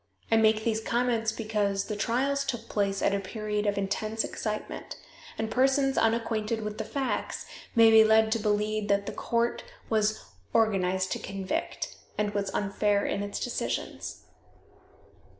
I make these comments because the trials took place at a period of intense excitement, and persons unacquainted with the facts may be led to believe that the court was "organized to convict," and was unfair in its decisions.